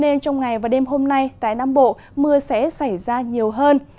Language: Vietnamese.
nên trong ngày và đêm hôm nay tại nam bộ mưa sẽ xảy ra nhiều hơn